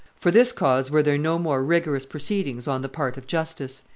For this cause were there no more rigorous proceedings on the part of justice."